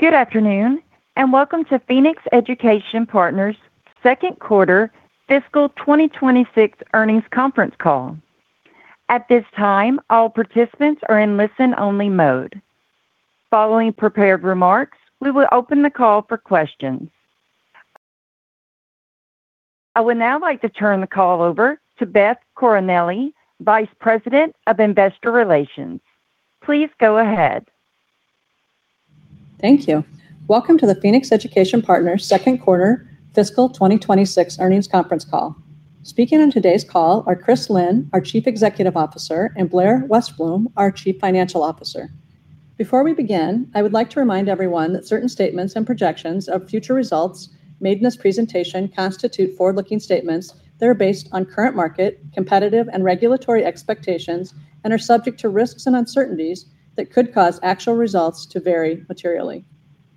Good afternoon, and welcome to Phoenix Education Partners' Second Quarter Fiscal 2026 earnings conference call. At this time, all participants are in listen-only mode. Following prepared remarks, we will open the call for questions. I would now like to turn the call over to Beth Coronelli, Vice President of Investor Relations. Please go ahead. Thank you. Welcome to the Phoenix Education Partners second quarter fiscal 2026 earnings conference call. Speaking on today's call are Chris Lynne, our Chief Executive Officer, and Blair Westblom, our Chief Financial Officer. Before we begin, I would like to remind everyone that certain statements and projections of future results made in this presentation constitute forward-looking statements that are based on current market, competitive, and regulatory expectations, and are subject to risks and uncertainties that could cause actual results to vary materially.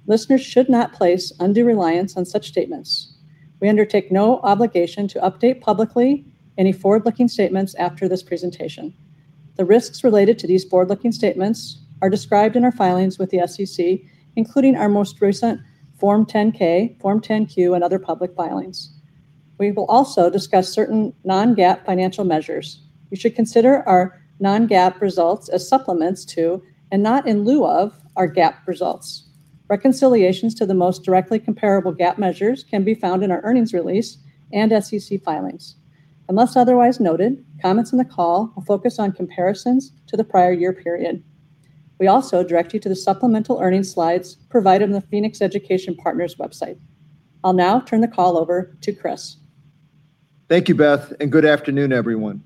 Listeners should not place undue reliance on such statements. We undertake no obligation to update publicly any forward-looking statements after this presentation. The risks related to these forward-looking statements are described in our filings with the SEC, including our most recent Form 10-K, Form 10-Q, and other public filings. We will also discuss certain non-GAAP financial measures. You should consider our non-GAAP results as supplements to, and not in lieu of, our GAAP results. Reconciliations to the most directly comparable GAAP measures can be found in our earnings release and SEC filings. Unless otherwise noted, comments on the call will focus on comparisons to the prior year period. We also direct you to the supplemental earnings slides provided on the Phoenix Education Partners website. I'll now turn the call over to Chris. Thank you, Beth, and good afternoon, everyone.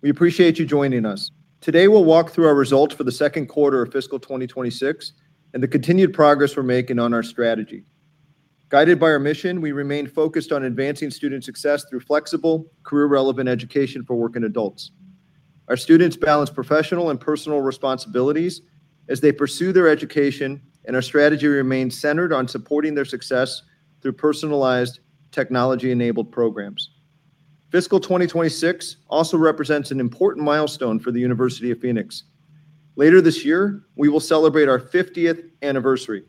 We appreciate you joining us. Today, we'll walk through our results for the second quarter of fiscal 2026 and the continued progress we're making on our strategy. Guided by our mission, we remain focused on advancing student success through flexible, career-relevant education for working adults. Our students balance professional and personal responsibilities as they pursue their education, and our strategy remains centered on supporting their success through personalized technology-enabled programs. Fiscal 2026 also represents an important milestone for the University of Phoenix. Later this year, we will celebrate our 50th anniversary,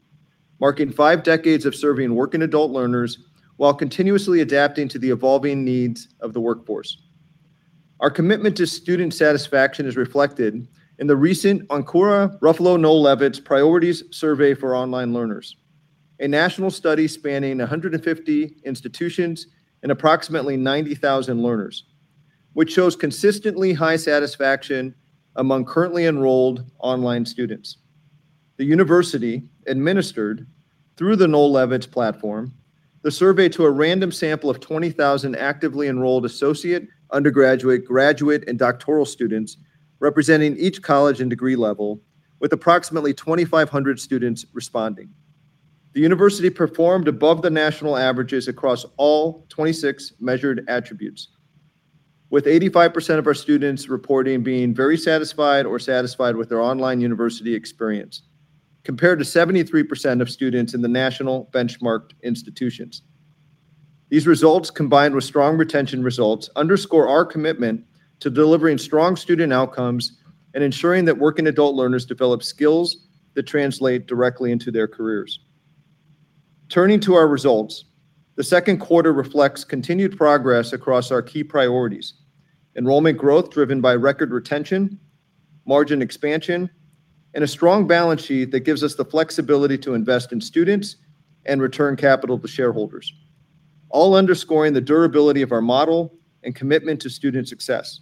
marking five decades of serving working adult learners while continuously adapting to the evolving needs of the workforce. Our commitment to student satisfaction is reflected in the recent Encoura Ruffalo Noel Levitz Priorities Survey for Online Learners, a national study spanning 150 institutions and approximately 90,000 learners, which shows consistently high satisfaction among currently enrolled online students. The university administered, through the Noel Levitz platform, the survey to a random sample of 20,000 actively enrolled associate, undergraduate, graduate, and doctoral students representing each college and degree level, with approximately 2,500 students responding. The university performed above the national averages across all 26 measured attributes, with 85% of our students reporting being very satisfied or satisfied with their online university experience, compared to 73% of students in the national benchmarked institutions. These results, combined with strong retention results, underscore our commitment to delivering strong student outcomes and ensuring that working adult learners develop skills that translate directly into their careers. Turning to our results, the second quarter reflects continued progress across our key priorities. Enrollment growth driven by record retention, margin expansion, and a strong balance sheet that gives us the flexibility to invest in students and return capital to shareholders, all underscoring the durability of our model and commitment to student success.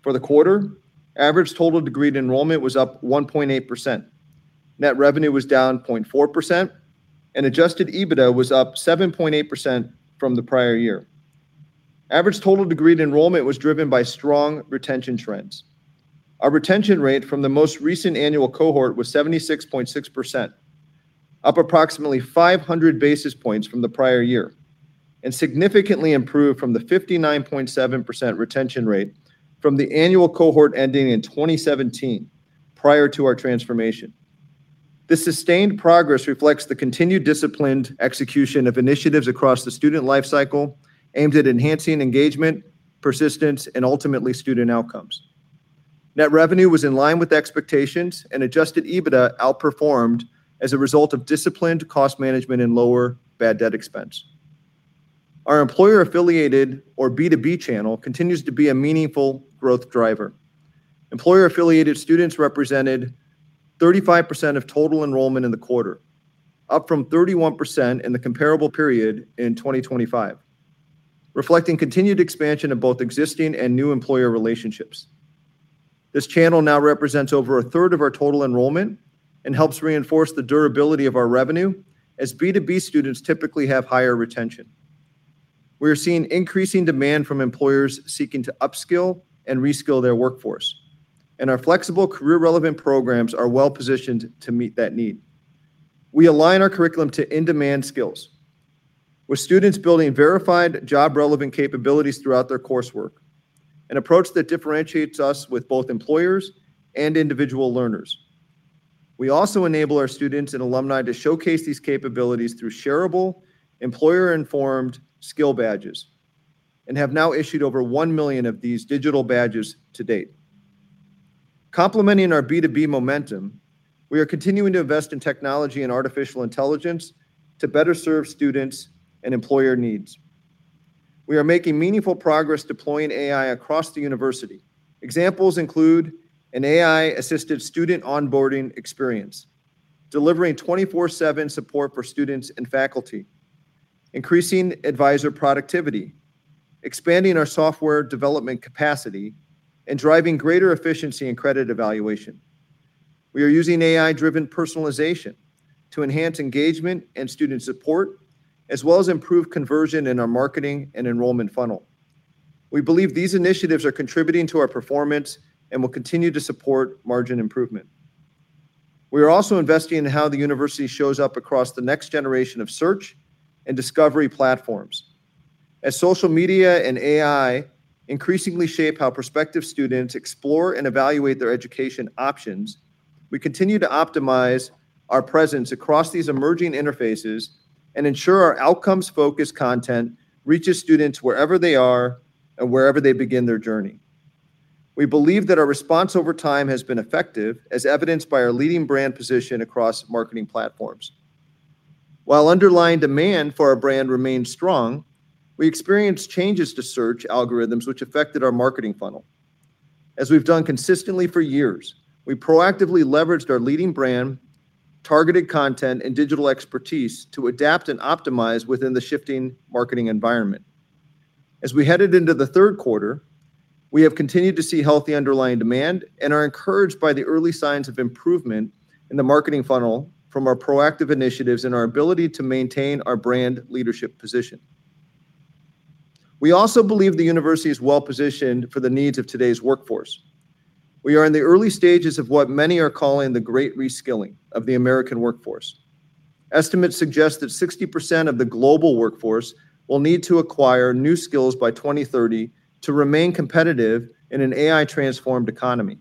For the quarter, average total degreed enrollment was up 1.8%. Net revenue was down 0.4%, and adjusted EBITDA was up 7.8% from the prior year. Average total degreed enrollment was driven by strong retention trends. Our retention rate from the most recent annual cohort was 76.6%, up approximately 500 basis points from the prior year, and significantly improved from the 59.7% retention rate from the annual cohort ending in 2017 prior to our transformation. This sustained progress reflects the continued disciplined execution of initiatives across the student life cycle aimed at enhancing engagement, persistence, and ultimately student outcomes. Net revenue was in line with expectations, and adjusted EBITDA outperformed as a result of disciplined cost management and lower bad debt expense. Our employer-affiliated or B2B channel continues to be a meaningful growth driver. Employer-affiliated students represented 35% of total enrollment in the quarter, up from 31% in the comparable period in 2025, reflecting continued expansion of both existing and new employer relationships. This channel now represents over a third of our total enrollment and helps reinforce the durability of our revenue, as B2B students typically have higher retention. We are seeing increasing demand from employers seeking to upskill and reskill their workforce, and our flexible career-relevant programs are well-positioned to meet that need. We align our curriculum to in-demand skills, with students building verified job-relevant capabilities throughout their coursework, an approach that differentiates us with both employers and individual learners. We also enable our students and alumni to showcase these capabilities through shareable, employer-informed skill badges and have now issued over one million of these digital badges to date. Complementing our B2B momentum, we are continuing to invest in technology and artificial intelligence to better serve students and employer needs. We are making meaningful progress deploying AI across the university. Examples include an AI-assisted student onboarding experience, delivering 24/7 support for students and faculty, increasing advisor productivity, expanding our software development capacity, and driving greater efficiency in credit evaluation. We are using AI-driven personalization to enhance engagement and student support, as well as improve conversion in our marketing and enrollment funnel. We believe these initiatives are contributing to our performance and will continue to support margin improvement. We are also investing in how the university shows up across the next generation of search and discovery platforms. As social media and AI increasingly shape how prospective students explore and evaluate their education options, we continue to optimize our presence across these emerging interfaces and ensure our outcomes-focused content reaches students wherever they are and wherever they begin their journey. We believe that our response over time has been effective, as evidenced by our leading brand position across marketing platforms. While underlying demand for our brand remains strong, we experienced changes to search algorithms which affected our marketing funnel. As we've done consistently for years, we proactively leveraged our leading brand, targeted content, and digital expertise to adapt and optimize within the shifting marketing environment. As we headed into the third quarter, we have continued to see healthy underlying demand and are encouraged by the early signs of improvement in the marketing funnel from our proactive initiatives and our ability to maintain our brand leadership position. We also believe the university is well-positioned for the needs of today's workforce. We are in the early stages of what many are calling the Great Reskilling of the American Workforce. Estimates suggest that 60% of the global workforce will need to acquire new skills by 2030 to remain competitive in an AI-transformed economy.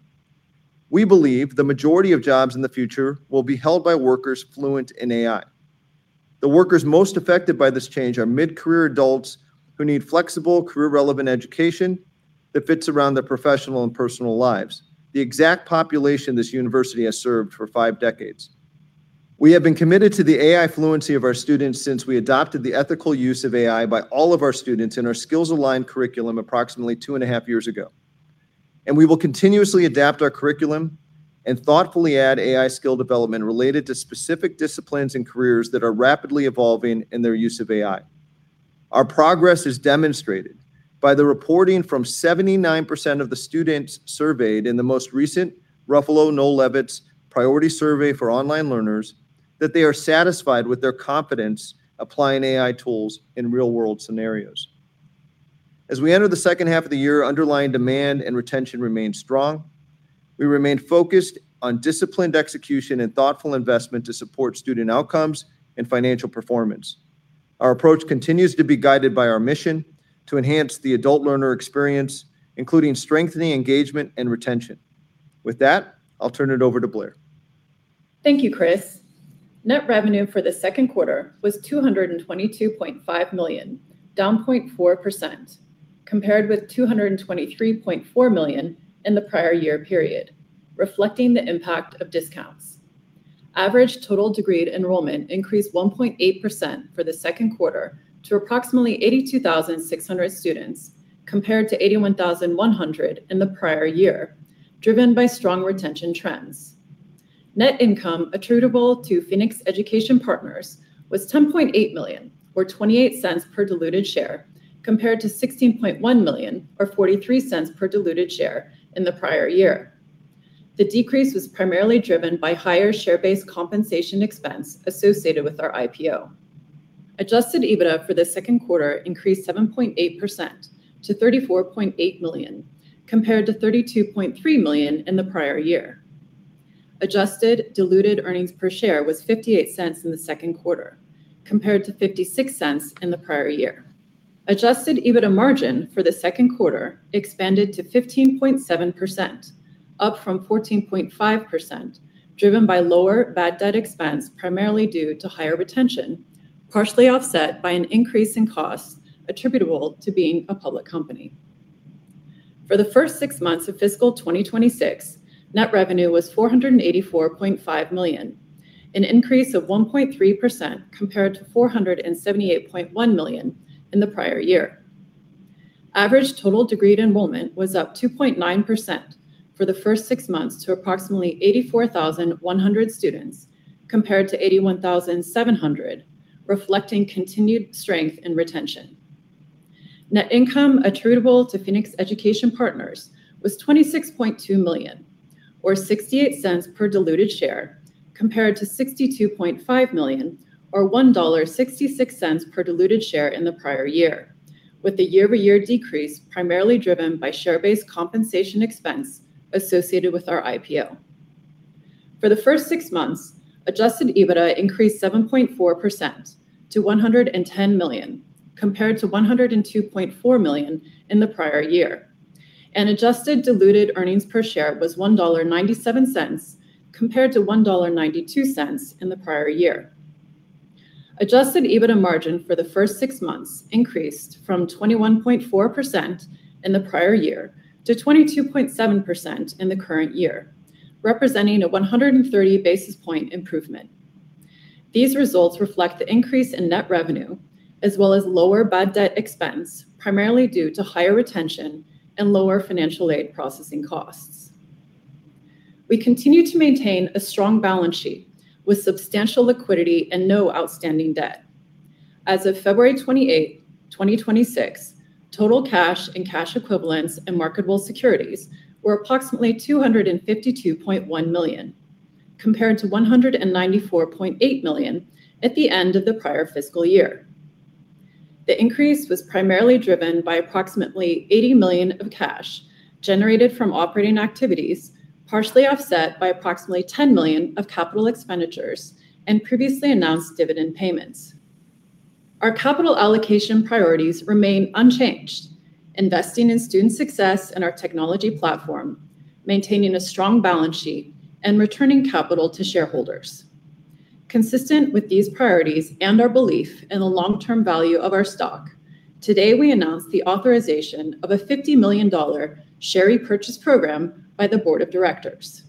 We believe the majority of jobs in the future will be held by workers fluent in AI. The workers most affected by this change are mid-career adults who need flexible, career-relevant education that fits around their professional and personal lives, the exact population this university has served for five decades. We have been committed to the AI fluency of our students since we adopted the ethical use of AI by all of our students in our skills-aligned curriculum approximately two and a half years ago. We will continuously adapt our curriculum and thoughtfully add AI skill development related to specific disciplines and careers that are rapidly evolving in their use of AI. Our progress is demonstrated by the reporting from 79% of the students surveyed in the most recent Ruffalo Noel Levitz Priorities Survey for Online Learners that they are satisfied with their confidence applying AI tools in real-world scenarios. As we enter the second half of the year, underlying demand and retention remain strong. We remain focused on disciplined execution and thoughtful investment to support student outcomes and financial performance. Our approach continues to be guided by our mission to enhance the adult learner experience, including strengthening engagement and retention. With that, I'll turn it over to Blair. Thank you, Chris. Net revenue for the second quarter was $222.5 million, down 0.4%, compared with $223.4 million in the prior year period, reflecting the impact of discounts. Average total degreed enrollment increased 1.8% for the second quarter to approximately 82,600 students, compared to 81,100 in the prior year, driven by strong retention trends. Net income attributable to Phoenix Education Partners was $10.8 million, or $0.28 per diluted share, compared to $16.1 million, or $0.43 per diluted share in the prior year. The decrease was primarily driven by higher share-based compensation expense associated with our IPO. Adjusted EBITDA for the second quarter increased 7.8% to $34.8 million, compared to $32.3 million in the prior year. Adjusted diluted earnings per share was $0.58 in the second quarter, compared to $0.56 in the prior year. Adjusted EBITDA margin for the second quarter expanded to 15.7%, up from 14.5%, driven by lower bad debt expense primarily due to higher retention, partially offset by an increase in costs attributable to being a public company. For the first six months of fiscal 2026, net revenue was $484.5 million, an increase of 1.3% compared to $478.1 million in the prior year. Average total degreed enrollment was up 2.9% for the first six months to approximately 84,100 students, compared to 81,700, reflecting continued strength in retention. Net income attributable to Phoenix Education Partners was $26.2 million, or $0.68 per diluted share, compared to $62.5 million, or $1.66 per diluted share in the prior year, with the year-over-year decrease primarily driven by share-based compensation expense associated with our IPO. For the first six months, adjusted EBITDA increased 7.4% to $110 million, compared to $102.4 million in the prior year, and adjusted diluted earnings per share was $1.97, compared to $1.92 in the prior year. Adjusted EBITDA margin for the first six months increased from 21.4% in the prior year to 22.7% in the current year, representing a 130 basis point improvement. These results reflect the increase in net revenue, as well as lower bad debt expense, primarily due to higher retention and lower financial aid processing costs. We continue to maintain a strong balance sheet with substantial liquidity and no outstanding debt. As of February 28, 2026, total cash and cash equivalents in marketable securities were approximately $252.1 million, compared to $194.8 million at the end of the prior fiscal year. The increase was primarily driven by approximately $80 million of cash generated from operating activities, partially offset by approximately $10 million of capital expenditures and previously announced dividend payments. Our capital allocation priorities remain unchanged, investing in student success and our technology platform, maintaining a strong balance sheet, and returning capital to shareholders. Consistent with these priorities and our belief in the long-term value of our stock, today we announce the authorization of a $50 million share repurchase program by the board of directors.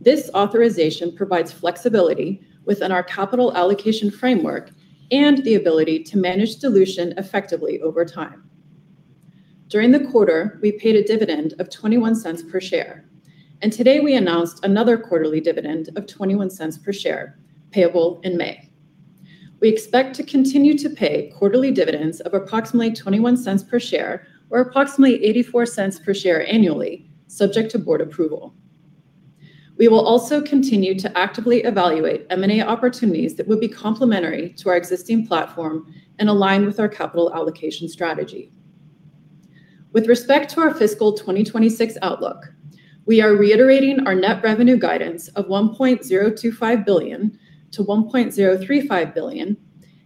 This authorization provides flexibility within our capital allocation framework and the ability to manage dilution effectively over time. During the quarter, we paid a dividend of $0.21 per share, and today we announced another quarterly dividend of $0.21 per share, payable in May. We expect to continue to pay quarterly dividends of approximately $0.21 per share or approximately $0.84 per share annually, subject to board approval. We will also continue to actively evaluate M&A opportunities that would be complementary to our existing platform and align with our capital allocation strategy. With respect to our fiscal 2026 outlook, we are reiterating our net revenue guidance of $1.025 billion-$1.035 billion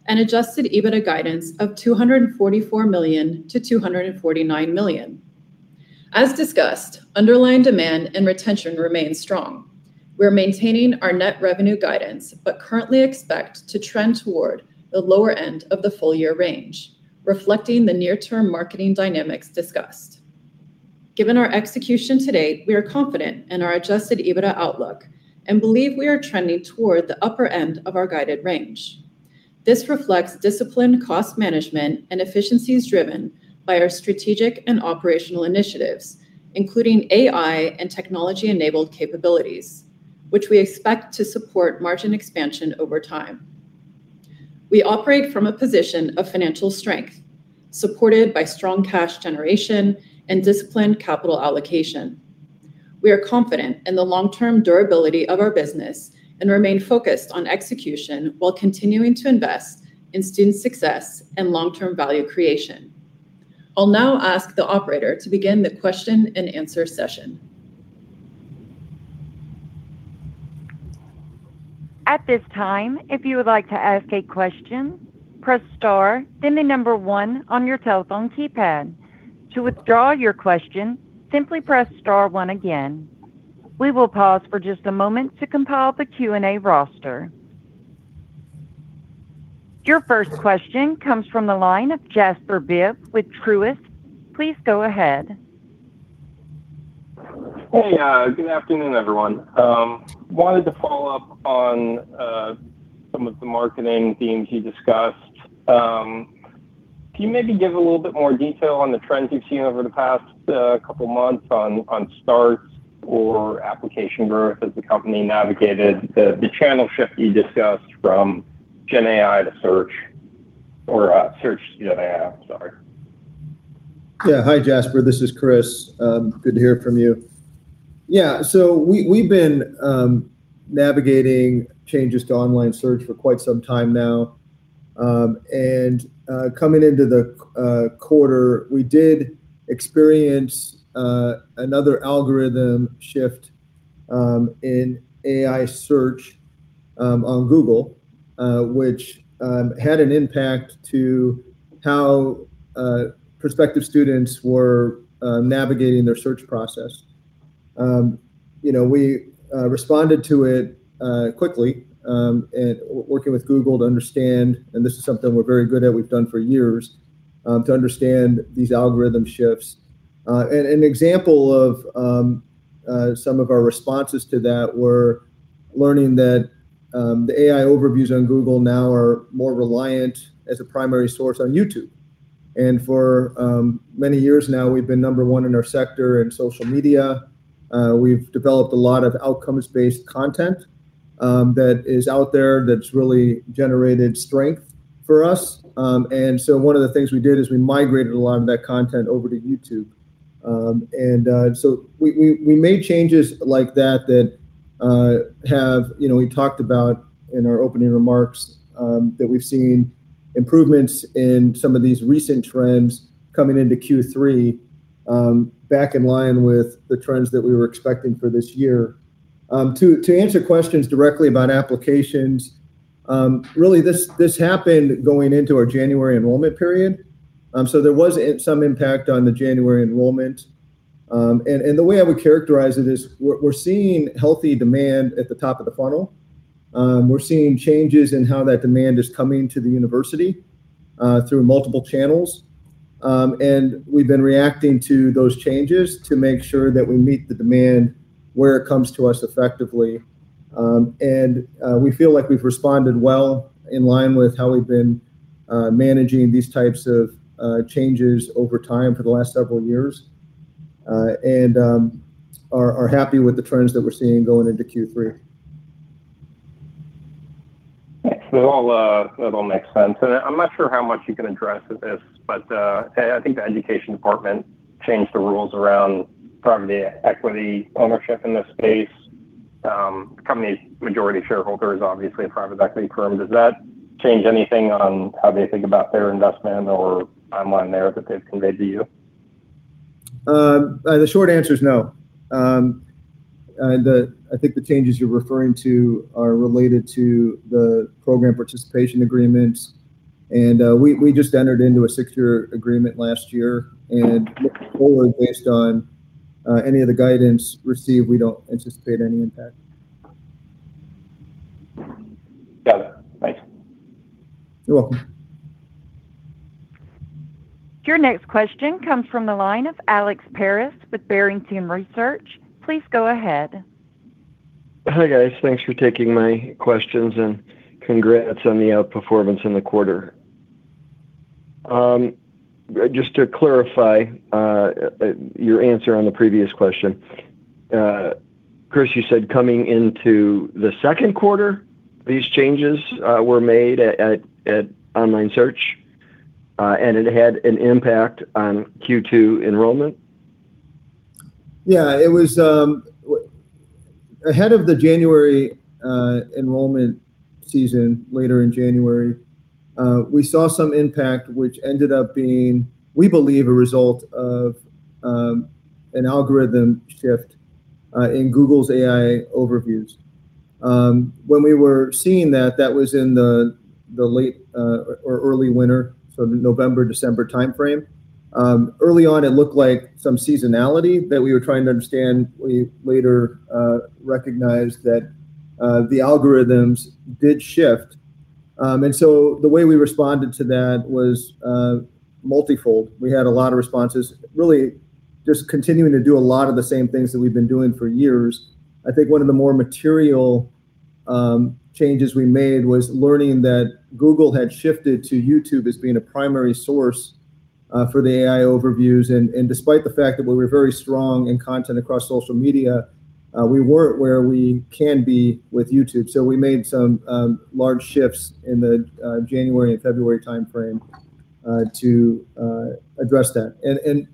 and adjusted EBITDA guidance of $244 million-$249 million. As discussed, underlying demand and retention remain strong. We're maintaining our net revenue guidance but currently expect to trend toward the lower end of the full-year range, reflecting the near-term marketing dynamics discussed. Given our execution to date, we are confident in our adjusted EBITDA outlook and believe we are trending toward the upper end of our guided range. This reflects disciplined cost management and efficiencies driven by our strategic and operational initiatives, including AI and technology-enabled capabilities, which we expect to support margin expansion over time. We operate from a position of financial strength, supported by strong cash generation and disciplined capital allocation. We are confident in the long-term durability of our business and remain focused on execution while continuing to invest in student success and long-term value creation. I'll now ask the operator to begin the question-and-answer session. At this time, if you would like to ask a question, press star, then the number one on your telephone keypad. To withdraw your question, simply press star one again. We will pause for just a moment to compile the Q&A roster. Your first question comes from the line of Jasper Bibb with Truist. Please go ahead. Hey, good afternoon, everyone. I wanted to follow up on some of the marketing themes you discussed. Can you maybe give a little bit more detail on the trends you've seen over the past couple of months on starts or application growth as the company navigated the channel shift you discussed from GenAI to search or search to GenAI? I'm sorry. Yeah. Hi, Jasper. This is Chris. Good to hear from you. Yeah. We've been navigating changes to online search for quite some time now. Coming into the quarter, we did experience another algorithm shift in AI search on Google, which had an impact to how prospective students were navigating their search process. We responded to it quickly, working with Google to understand, and this is something we're very good at, we've done for years, to understand these algorithm shifts. An example of some of our responses to that were learning that the AI overviews on Google now are more reliant as a primary source on YouTube. For many years now, we've been number one in our sector in social media. We've developed a lot of outcomes-based content that is out there that's really generated strength for us. One of the things we did is we migrated a lot of that content over to YouTube. We made changes like that that have. We talked about in our opening remarks that we've seen improvements in some of these recent trends coming into Q3, back in line with the trends that we were expecting for this year. To answer questions directly about applications, really, this happened going into our January enrollment period. There was some impact on the January enrollment. The way I would characterize it is we're seeing healthy demand at the top of the funnel. We're seeing changes in how that demand is coming to the university through multiple channels, and we've been reacting to those changes to make sure that we meet the demand where it comes to us effectively. We feel like we've responded well in line with how we've been managing these types of changes over time for the last several years and are happy with the trends that we're seeing going into Q3. Yes. That all makes sense. I'm not sure how much you can address with this, but I think the education department changed the rules around private equity ownership in this space. The company's majority shareholder is obviously a private equity firm. Does that change anything on how they think about their investment or timeline there that they've conveyed to you? The short answer is no. I think the changes you're referring to are related to the program participation agreements, and we just entered into a six-year agreement last year. Looking forward, based on any of the guidance received, we don't anticipate any impact. Got it. Thanks. You're welcome. Your next question comes from the line of Alex Paris Jr. with Barrington Research. Please go ahead. Hi, guys. Thanks for taking my questions, and congrats on the outperformance in the quarter. Just to clarify your answer on the previous question, Chris, you said coming into the second quarter, these changes were made at online search, and it had an impact on Q2 enrollment? Yeah. Ahead of the January enrollment season, later in January, we saw some impact which ended up being, we believe, a result of an algorithm shift in Google's AI overviews. When we were seeing that was in the early winter, so the November, December timeframe. Early on, it looked like some seasonality that we were trying to understand. We later recognized that the algorithms did shift. The way we responded to that was multifold. We had a lot of responses, really just continuing to do a lot of the same things that we've been doing for years. I think one of the more material changes we made was learning that Google had shifted to YouTube as being a primary source for the AI overviews, and despite the fact that we were very strong in content across social media, we weren't where we can be with YouTube. We made some large shifts in the January and February timeframe to address that.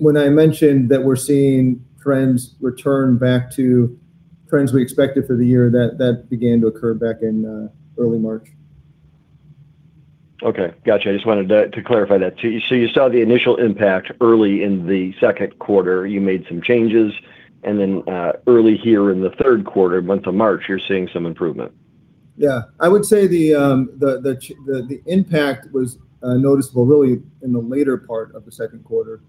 When I mentioned that we're seeing trends return back to trends we expected for the year, that began to occur back in early March. Okay. Got you. I just wanted to clarify that. You saw the initial impact early in the second quarter, you made some changes, and then early here in the third quarter, month of March, you're seeing some improvement. Yeah. I would say the impact was noticeable really in the later part of the second quarter,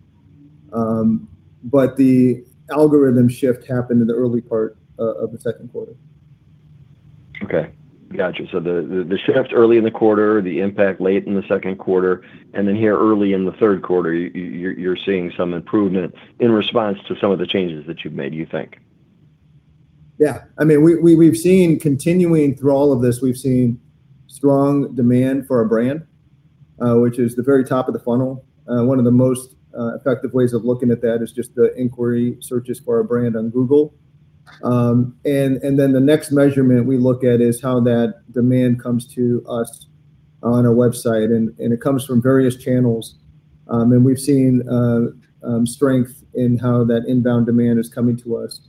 but the algorithm shift happened in the early part of the second quarter. Okay. Got you. The shift early in the quarter, the impact late in the second quarter, and then here early in the third quarter, you're seeing some improvement in response to some of the changes that you've made, you think? Yeah. Continuing through all of this, we've seen strong demand for our brand, which is the very top of the funnel. One of the most effective ways of looking at that is just the inquiry searches for our brand on Google. Then the next measurement we look at is how that demand comes to us on our website, and it comes from various channels. We've seen strength in how that inbound demand is coming to us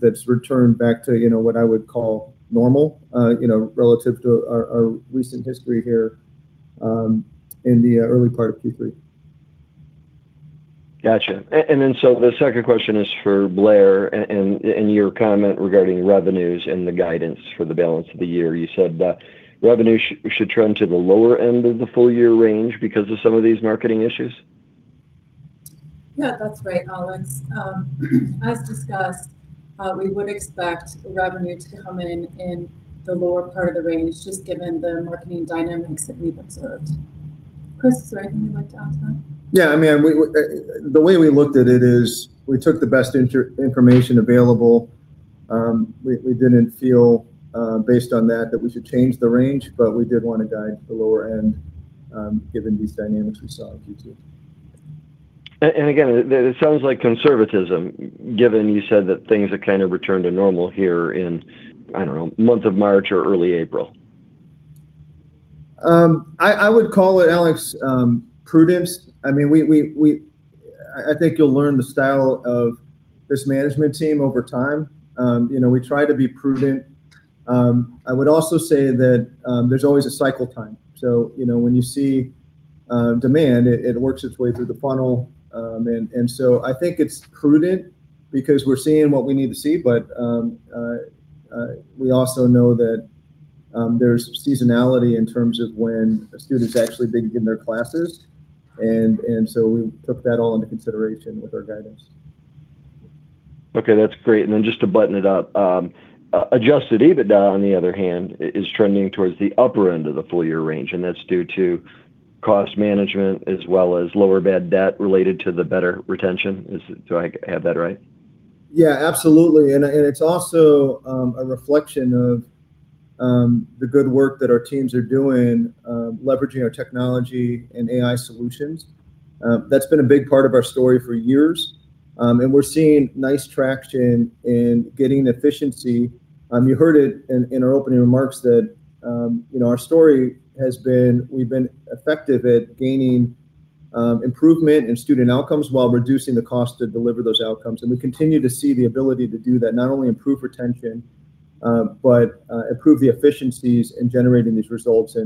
that's returned back to what I would call normal relative to our recent history here in the early part of Q3. Got you. The second question is for Blair, and your comment regarding revenues and the guidance for the balance of the year. You said that revenue should trend to the lower end of the full-year range because of some of these marketing issues? Yeah, that's right, Alex. As discussed, we would expect revenue to come in in the lower part of the range, just given the marketing dynamics that we've observed. Chris, is there anything you'd like to add to that? Yeah. The way we looked at it is we took the best information available. We didn't feel, based on that we should change the range, but we did want to guide to the lower end given these dynamics we saw in Q2. Again, it sounds like conservatism, given you said that things have returned to normal here in, I don't know, month of March or early April. I would call it, Alex, prudence. I think you'll learn the style of this management team over time. We try to be prudent. I would also say that there's always a cycle time. When you see demand, it works its way through the funnel. I think it's prudent because we're seeing what we need to see, but we also know that there's seasonality in terms of when a student's actually been in their classes, and so we took that all into consideration with our guidance. Okay, that's great. Just to button it up, adjusted EBITDA, on the other hand, is trending towards the upper end of the full-year range, and that's due to cost management as well as lower bad debt related to the better retention. Do I have that right? Yeah, absolutely. It's also a reflection of the good work that our teams are doing leveraging our technology and AI solutions. That's been a big part of our story for years. We're seeing nice traction in getting efficiency. You heard it in our opening remarks that our story has been we've been effective at gaining improvement in student outcomes while reducing the cost to deliver those outcomes, and we continue to see the ability to do that, not only improve retention, but improve the efficiencies in generating these results.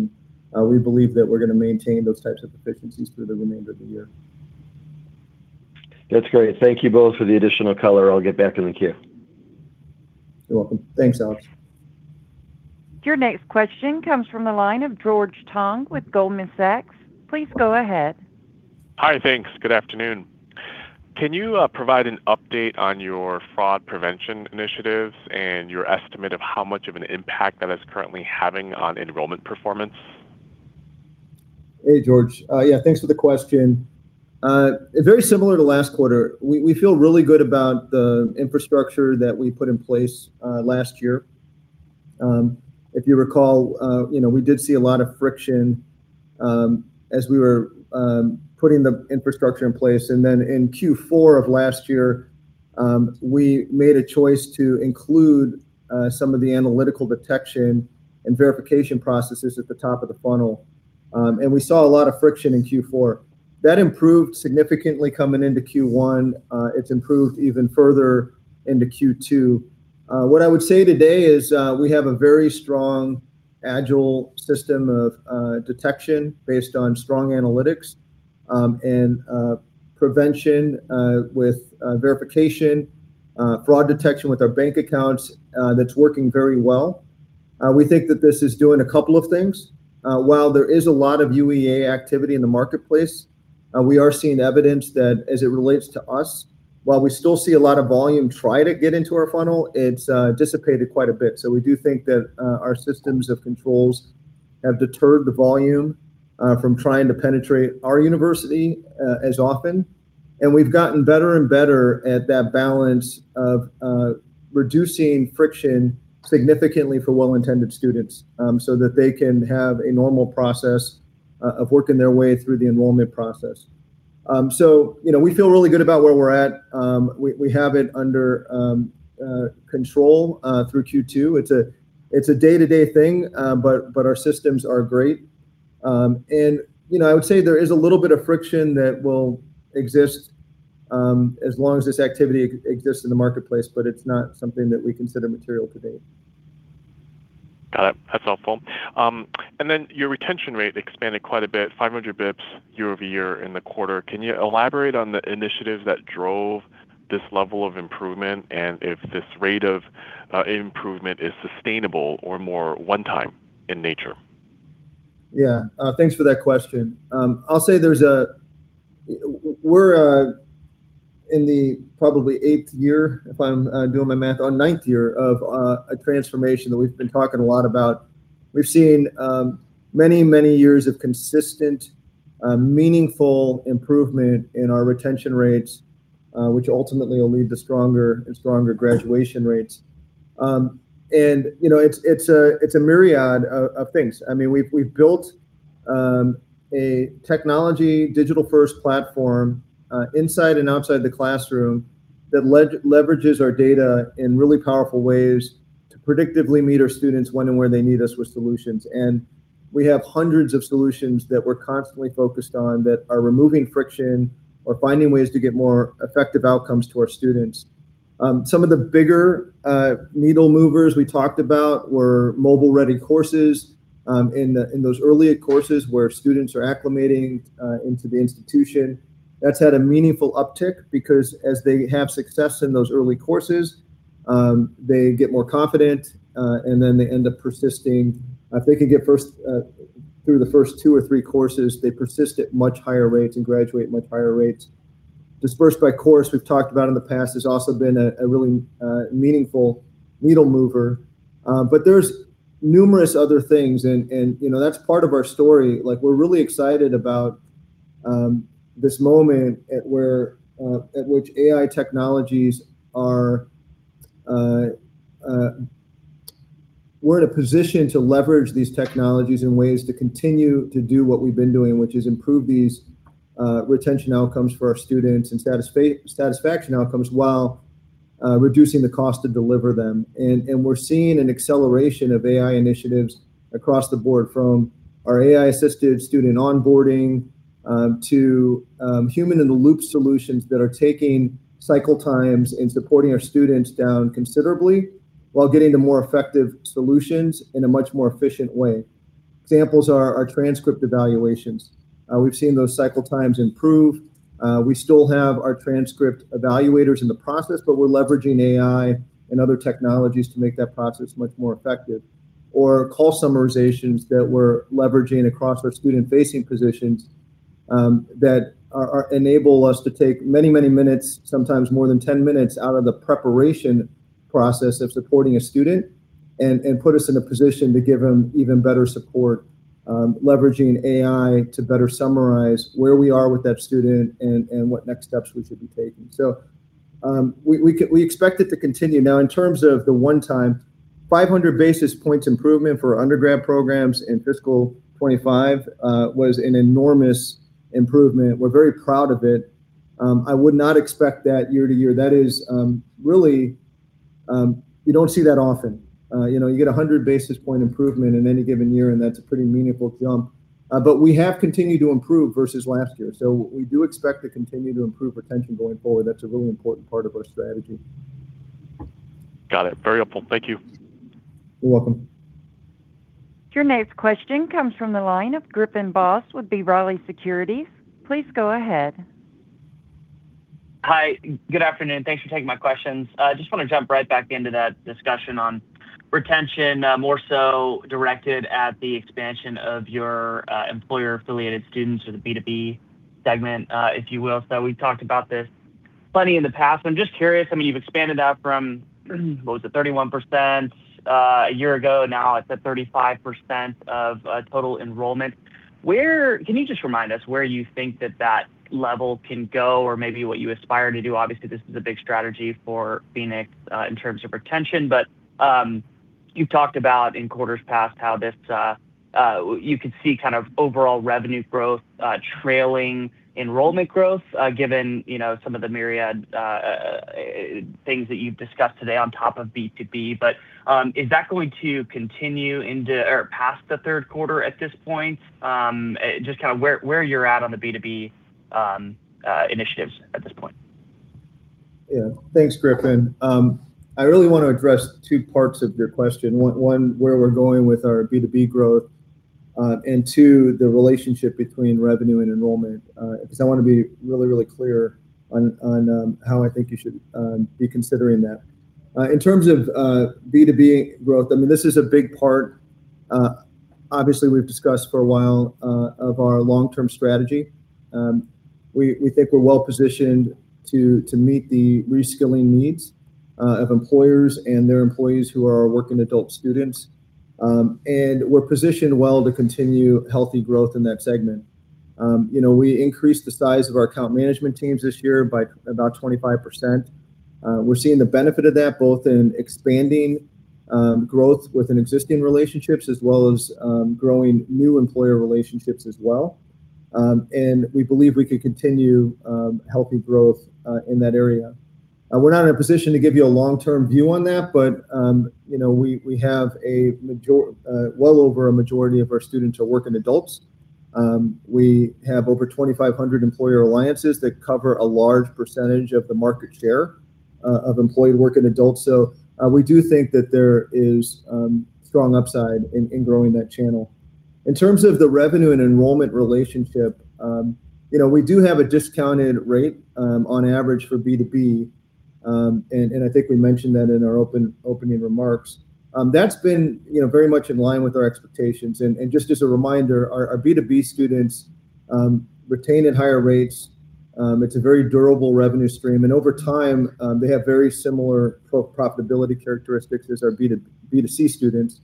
We believe that we're going to maintain those types of efficiencies through the remainder of the year. That's great. Thank you both for the additional color. I'll get back in the queue. You're welcome. Thanks, Alex. Your next question comes from the line of George Tong with Goldman Sachs. Please go ahead. Hi. Thanks. Good afternoon. Can you provide an update on your fraud prevention initiatives and your estimate of how much of an impact that is currently having on enrollment performance? Hey, George. Yeah, thanks for the question. Very similar to last quarter, we feel really good about the infrastructure that we put in place last year. If you recall, we did see a lot of friction as we were putting the infrastructure in place, and then in Q4 of last year, we made a choice to include some of the analytical detection and verification processes at the top of the funnel, and we saw a lot of friction in Q4. That improved significantly coming into Q1. It's improved even further into Q2. What I would say today is we have a very strong, agile system of detection based on strong analytics, and prevention with verification, fraud detection with our bank accounts, that's working very well. We think that this is doing a couple of things. While there is a lot of UEA activity in the marketplace, we are seeing evidence that as it relates to us, while we still see a lot of volume try to get into our funnel, it's dissipated quite a bit. We do think that our systems of controls have deterred the volume from trying to penetrate our university as often, and we've gotten better and better at that balance of reducing friction significantly for well-intended students, so that they can have a normal process of working their way through the enrollment process. We feel really good about where we're at. We have it under control through Q2. It's a day-to-day thing, but our systems are great. I would say there is a little bit of friction that will exist as long as this activity exists in the marketplace, but it's not something that we consider material today. Got it. That's helpful. Your retention rate expanded quite a bit, 500 basis points year-over-year in the quarter. Can you elaborate on the initiatives that drove this level of improvement and if this rate of improvement is sustainable or more one-time in nature? Yeah. Thanks for that question. I'll say we're in the probably eighth year, if I'm doing my math, or ninth year of a transformation that we've been talking a lot about. We've seen many years of consistent, meaningful improvement in our retention rates, which ultimately will lead to stronger and stronger graduation rates. It's a myriad of things. We've built a technology digital first platform inside and outside the classroom that leverages our data in really powerful ways to predictively meet our students when and where they need us with solutions. We have hundreds of solutions that we're constantly focused on that are removing friction or finding ways to get more effective outcomes to our students. Some of the bigger needle movers we talked about were mobile-ready courses in those earlier courses where students are acclimating into the institution. That's had a meaningful uptick because as they have success in those early courses, they get more confident, and then they end up persisting. If they can get through the first two or three courses, they persist at much higher rates and graduate at much higher rates. Dispersed by course, we've talked about in the past, has also been a really meaningful needle mover. There're numerous other things, and that's part of our story. We're really excited about this moment at which AI technologies are. We're in a position to leverage these technologies in ways to continue to do what we've been doing, which is improve these retention outcomes for our students and satisfaction outcomes while reducing the cost to deliver them. We're seeing an acceleration of AI initiatives across the board, from our AI-assisted student onboarding to human-in-the-loop solutions that are taking cycle times and supporting our students down considerably while getting to more effective solutions in a much more efficient way. Examples are our transcript evaluations. We've seen those cycle times improve. We still have our transcript evaluators in the process, but we're leveraging AI and other technologies to make that process much more effective. Call summarizations that we're leveraging across our student-facing positions, that enable us to take many, many minutes, sometimes more than 10 minutes, out of the preparation process of supporting a student and put us in a position to give them even better support, leveraging AI to better summarize where we are with that student and what next steps we should be taking. We expect it to continue. Now, in terms of the 1x 500 basis points improvement for our undergrad programs in FY 2025, was an enormous improvement. We're very proud of it. I would not expect that year to year. You don't see that often. You get 100 basis point improvement in any given year, and that's a pretty meaningful jump. We have continued to improve versus last year. We do expect to continue to improve retention going forward. That's a really important part of our strategy. Got it. Very helpful. Thank you. You're welcome. Your next question comes from the line of Griffin Boss with B. Riley Securities. Please go ahead. Hi. Good afternoon. Thanks for taking my questions. I just want to jump right back into that discussion on retention, more so directed at the expansion of your employer-affiliated students or the B2B segment, if you will. We've talked about this plenty in the past, but I'm just curious, you've expanded out from, what was it? 31% a year ago, now it's at 35% of total enrollment. Can you just remind us where you think that level can go or maybe what you aspire to do? Obviously, this is a big strategy for Phoenix, in terms of retention. You've talked about in quarters past how you could see overall revenue growth, trailing enrollment growth, given some of the myriad things that you've discussed today on top of B2B, but is that going to continue past the third quarter at this point? Just where you're at on the B2B initiatives at this point? Yeah. Thanks, Griffin. I really want to address two parts of your question. One, where we're going with our B2B growth, and two, the relationship between revenue and enrollment, because I want to be really, really clear on how I think you should be considering that. In terms of B2B growth, this is a big part, obviously, we've discussed for a while, of our long-term strategy. We think we're well-positioned to meet the reskilling needs of employers and their employees who are working adult students. We're positioned well to continue healthy growth in that segment. We increased the size of our account management teams this year by about 25%. We're seeing the benefit of that, both in expanding growth within existing relationships as well as growing new employer relationships as well. We believe we could continue healthy growth in that area. We're not in a position to give you a long-term view on that, but well over a majority of our students are working adults. We have over 2,500 employer alliances that cover a large percentage of the market share of employed working adults. We do think that there is strong upside in growing that channel. In terms of the revenue and enrollment relationship, we do have a discounted rate, on average, for B2B, and I think we mentioned that in our opening remarks. That's been very much in line with our expectations. Just as a reminder, our B2B students retain at higher rates. It's a very durable revenue stream. Over time, they have very similar profitability characteristics as our B2C students.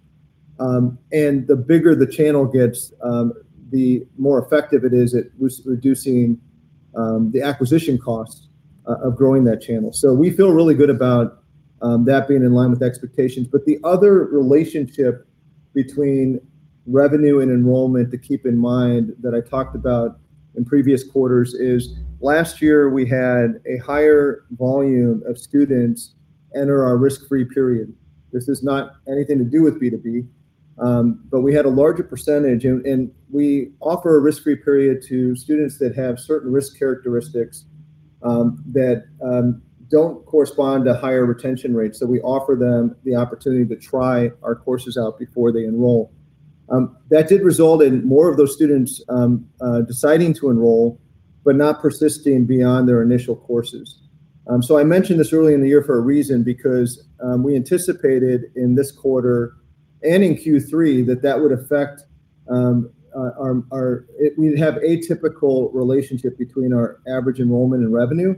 The bigger the channel gets, the more effective it is at reducing the acquisition cost of growing that channel. We feel really good about that being in line with expectations. The other relationship between revenue and enrollment to keep in mind that I talked about in previous quarters is last year we had a higher volume of students enter our risk-free period. This is not anything to do with B2B, but we had a larger percentage, and we offer a risk-free period to students that have certain risk characteristics that don't correspond to higher retention rates. We offer them the opportunity to try our courses out before they enroll. That did result in more of those students deciding to enroll but not persisting beyond their initial courses. I mentioned this early in the year for a reason because we anticipated in this quarter and in Q3 that we'd have atypical relationship between our average enrollment and revenue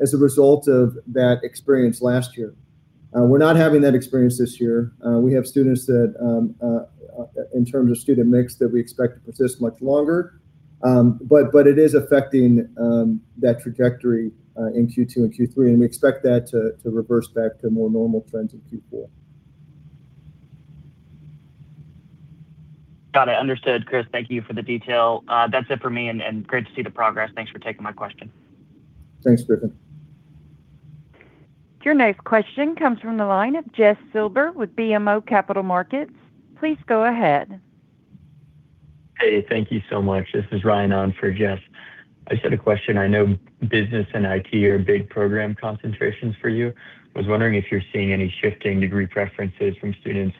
as a result of that experience last year. We're not having that experience this year. We have students that, in terms of student mix, that we expect to persist much longer. It is affecting that trajectory in Q2 and Q3, and we expect that to reverse back to more normal trends in Q4. Got it. Understood, Chris. Thank you for the detail. That's it for me, and great to see the progress. Thanks for taking my question. Thanks, Griffin. Your next question comes from the line of Jeff Silber with BMO Capital Markets. Please go ahead. Hey, thank you so much. This is Ryan on for Jeff. I just had a question. I know business and IT are big program concentrations for you. I was wondering if you're seeing any shifting degree preferences from students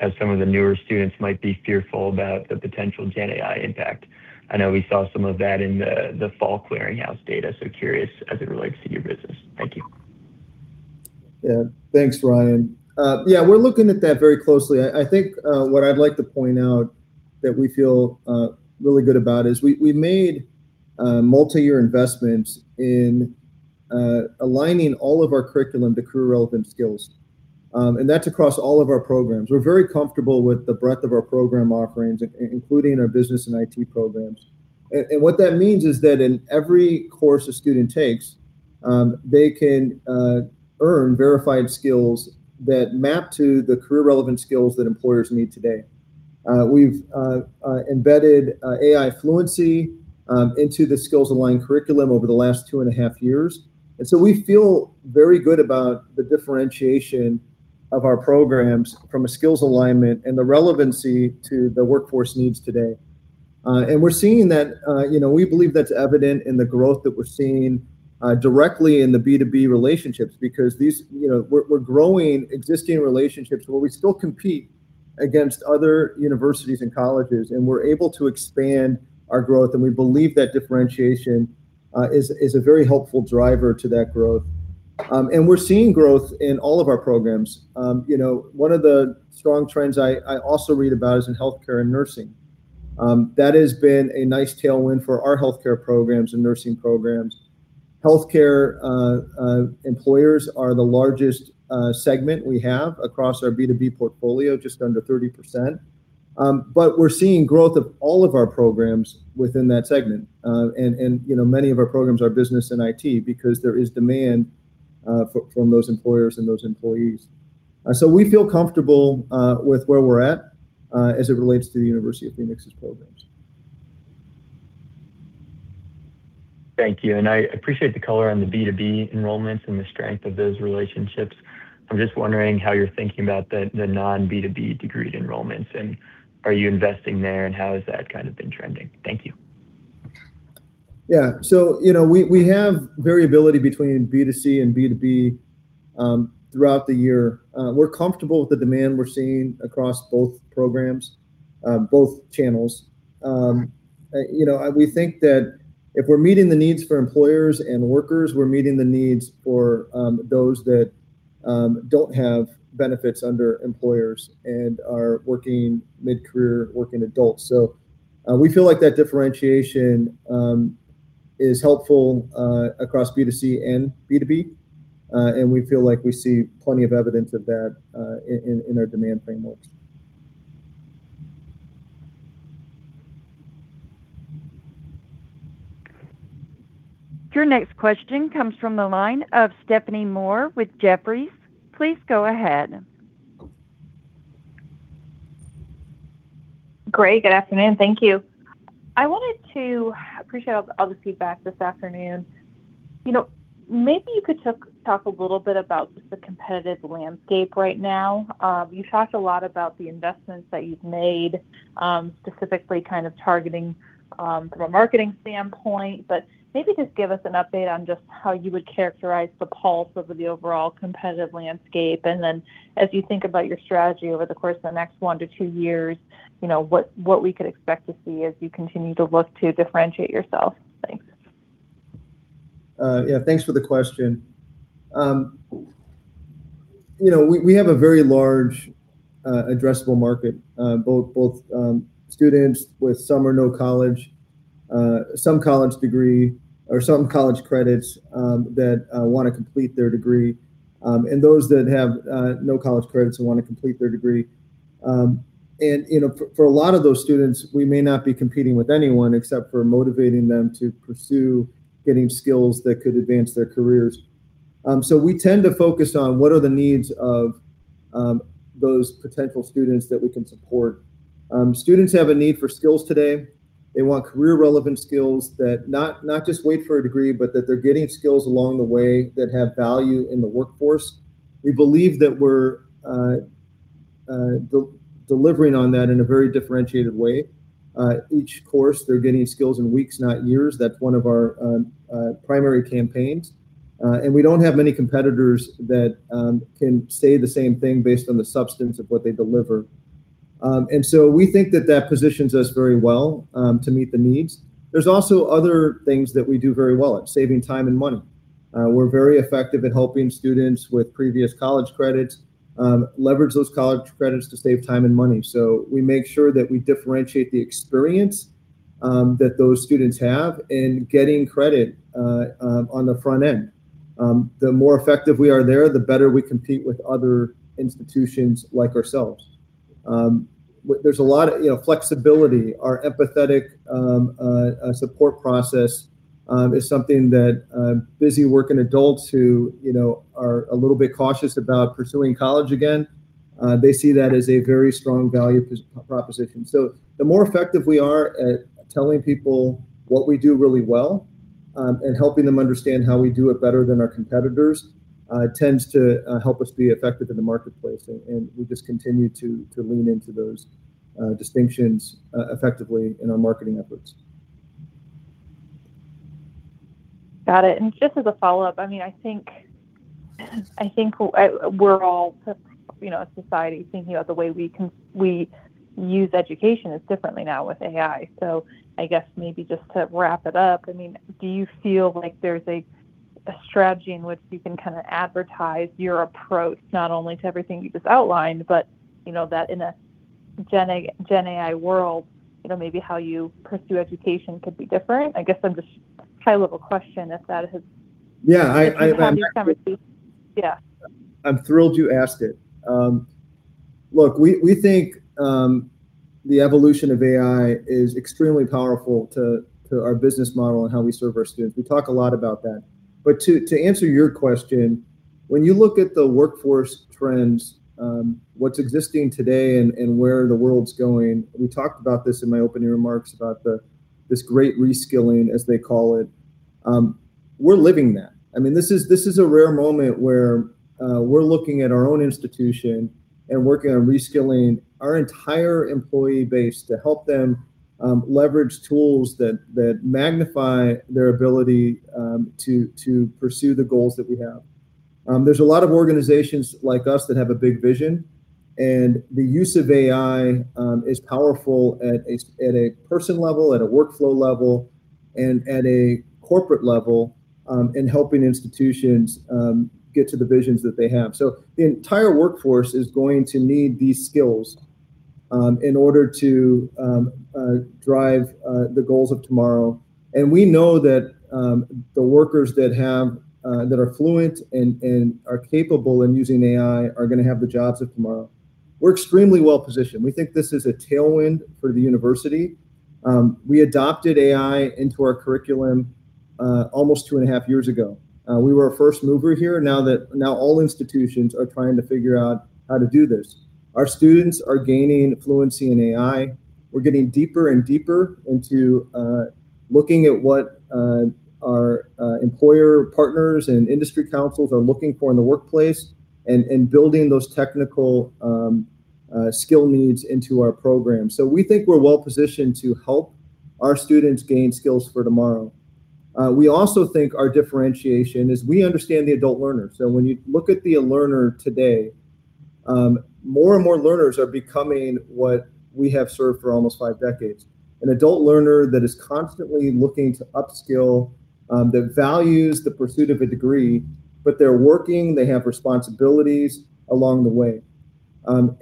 as some of the newer students might be fearful about the potential GenAI impact. I know we saw some of that in the fall Clearinghouse data, so curious as it relates to your business. Thank you. Yeah. Thanks, Ryan. Yeah, we're looking at that very closely. I think what I'd like to point out that we feel really good about is we made multi-year investments in aligning all of our curriculum to career-relevant skills. That's across all of our programs. We're very comfortable with the breadth of our program offerings, including our business and IT programs. What that means is that in every course a student takes, they can earn verified skills that map to the career-relevant skills that employers need today. We've embedded AI fluency into the skill's online curriculum over the last 2.5 years. We feel very good about the differentiation of our programs from a skills alignment and the relevancy to the workforce needs today. We believe that's evident in the growth that we're seeing directly in the B2B relationships because we're growing existing relationships where we still compete against other universities and colleges, and we're able to expand our growth, and we believe that differentiation is a very helpful driver to that growth. We're seeing growth in all of our programs. One of the strong trends I also read about is in healthcare and nursing. That has been a nice tailwind for our healthcare programs and nursing programs. Healthcare employers are the largest segment we have across our B2B portfolio, just under 30%. We're seeing growth of all of our programs within that segment. Many of our programs are business and IT because there is demand from those employers and those employees. We feel comfortable with where we're at as it relates to the University of Phoenix's programs. Thank you. I appreciate the color on the B2B enrollments and the strength of those relationships. I'm just wondering how you're thinking about the non-B2B degreed enrollments, and are you investing there, and how has that kind of been trending? Thank you. Yeah. We have variability between B2C and B2B throughout the year. We're comfortable with the demand we're seeing across both programs, both channels. We think that if we're meeting the needs for employers and workers, we're meeting the needs for those that don't have benefits under employers and are mid-career working adults. We feel like that differentiation is helpful across B2C and B2B, and we feel like we see plenty of evidence of that in our demand frameworks. Your next question comes from the line of Stephanie Moore with Jefferies. Please go ahead. Greg, good afternoon. Thank you. I appreciate all the feedback this afternoon. Maybe you could talk a little bit about just the competitive landscape right now. You talked a lot about the investments that you've made, specifically kind of targeting from a marketing standpoint, but maybe just give us an update on just how you would characterize the pulse of the overall competitive landscape. As you think about your strategy over the course of the next one to two years, what we could expect to see as you continue to look to differentiate yourself. Thanks. Yeah. Thanks for the question. We have a very large addressable market, both students with some or no college, some college degree or some college credits that want to complete their degree, and those that have no college credits and want to complete their degree. For a lot of those students, we may not be competing with anyone except for motivating them to pursue getting skills that could advance their careers. We tend to focus on what are the needs of those potential students that we can support. Students have a need for skills today. They want career relevant skills that not just wait for a degree, but that they're getting skills along the way that have value in the workforce. We believe that we're delivering on that in a very differentiated way. Each course, they're getting skills in weeks, not years. That's one of our primary campaigns. We don't have many competitors that can say the same thing based on the substance of what they deliver. We think that that positions us very well to meet the needs. There's also other things that we do very well at, saving time and money. We're very effective at helping students with previous college credits leverage those college credits to save time and money. We make sure that we differentiate the experience that those students have in getting credit on the front end. The more effective we are there, the better we compete with other institutions like ourselves. There's a lot of flexibility. Our empathetic support process is something that busy working adults who are a little bit cautious about pursuing college again, they see that as a very strong value proposition. The more effective we are at telling people what we do really well and helping them understand how we do it better than our competitors tend to help us be effective in the marketplace, and we just continue to lean into those distinctions effectively in our marketing efforts. Got it. Just as a follow-up, I think we're all, as a society, thinking about the way we use education is differently now with AI. I guess maybe just to wrap it up, do you feel like there's a strategy in which you can advertise your approach not only to everything you just outlined, but that in a gen AI world, maybe how you pursue education could be different? I guess I'm just high-level question if that has- Yeah. If you've had these conversations. Yeah. I'm thrilled you asked it. Look, we think the evolution of AI is extremely powerful to our business model and how we serve our students. We talk a lot about that. To answer your question, when you look at the workforce trends, what's existing today and where the world's going, we talked about this in my opening remarks about this great reskilling, as they call it. We're living that. This is a rare moment where we're looking at our own institution and working on reskilling our entire employee base to help them leverage tools that magnify their ability to pursue the goals that we have. There's a lot of organizations like us that have a big vision, and the use of AI is powerful at a person level, at a workflow level, and at a corporate level in helping institutions get to the visions that they have. The entire workforce is going to need these skills in order to drive the goals of tomorrow. We know that the workers that are fluent and are capable in using AI are going to have the jobs of tomorrow. We're extremely well-positioned. We think this is a tailwind for the university. We adopted AI into our curriculum almost 2.5 years ago. We were a first mover here. Now all institutions are trying to figure out how to do this. Our students are gaining fluency in AI. We're getting deeper and deeper into looking at what our employer partners and industry councils are looking for in the workplace and building those technical skill needs into our program. We think we're well-positioned to help our students gain skills for tomorrow. We also think our differentiation is we understand the adult learner. When you look at the learner today, more and more learners are becoming what we have served for almost five decades. An adult learner that is constantly looking to upskill, that values the pursuit of a degree, but they're working, they have responsibilities along the way.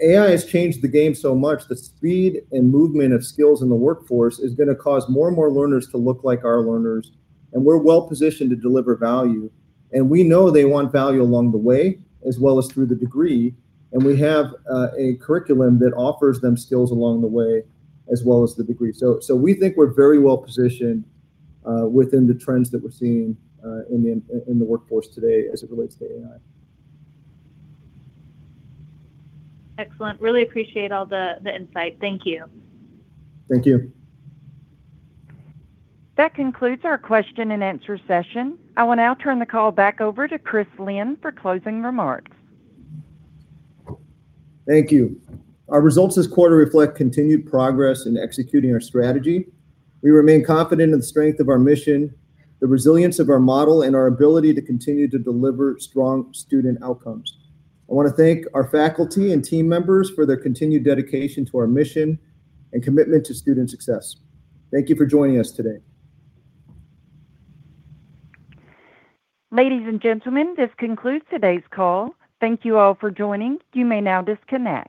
AI has changed the game so much. The speed and movement of skills in the workforce is going to cause more and more learners to look like our learners, and we're well-positioned to deliver value. We know they want value along the way, as well as through the degree, and we have a curriculum that offers them skills along the way, as well as the degree. We think we're very well-positioned, within the trends that we're seeing in the workforce today as it relates to AI. Excellent. Really appreciate all the insight. Thank you. Thank you. That concludes our question and answer session. I will now turn the call back over to Chris Lynne for closing remarks. Thank you. Our results this quarter reflect continued progress in executing our strategy. We remain confident in the strength of our mission, the resilience of our model, and our ability to continue to deliver strong student outcomes. I want to thank our faculty and team members for their continued dedication to our mission and commitment to student success. Thank you for joining us today. Ladies and gentlemen, this concludes today's call. Thank you all for joining. You may now disconnect.